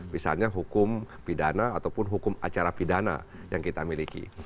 misalnya hukum pidana ataupun hukum acara pidana yang kita miliki